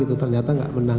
ternyata gak menang